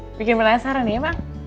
eh bikin penasaran ya emang